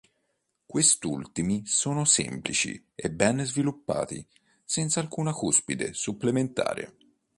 Questi ultimi sono semplici e ben sviluppati, senza alcuna cuspide supplementare.